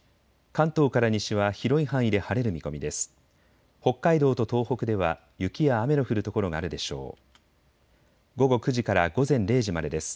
関東から西は広い範囲で晴れる見込みです。